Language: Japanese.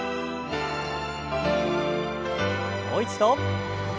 もう一度。